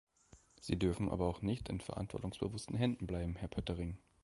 Sie dürfen aber auch nicht in verantwortungsbewussten Händen bleiben, Herr Poettering!